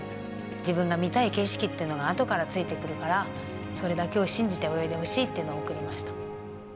自分が見たい景色っていうのが後からついてくるからそれだけを信じて泳いでほしいというのを送りました。